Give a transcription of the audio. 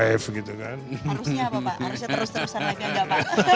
harusnya terus terusan lagi enggak pak